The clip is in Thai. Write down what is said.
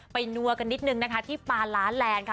ไปนัวกันนิดหนึ่งนะคะที่บราลาแลนด์